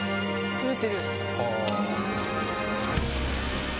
撮れてる。